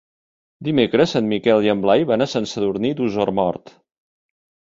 Dimecres en Miquel i en Blai van a Sant Sadurní d'Osormort.